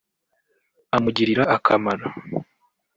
amugiririra akamaro